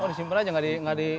oh disimpen aja gak di